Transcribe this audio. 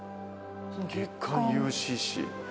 『月刊ＵＣＣ』。